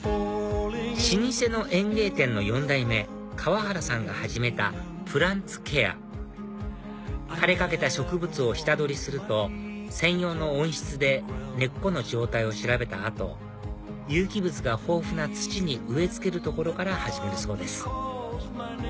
老舗の園芸店の４代目川原さんが始めたプランツケア枯れかけた植物を下取りすると専用の温室で根っこの状態を調べた後有機物が豊富な土に植え付けるところから始めるそうです